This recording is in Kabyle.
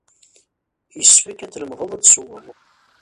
Yessefk ad tlemded ad tessewwed.